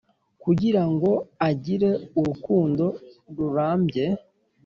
kugira ngo agire urukundo rurambye.